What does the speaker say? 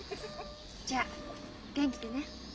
じゃあ元気でね。